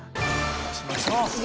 押しましょう。